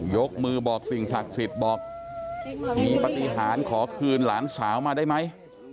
ยกมือบอกสิ่งศักดิ์สิทธิ์บอกมีปฏิหารขอคืนหลานสาวมาได้ไหม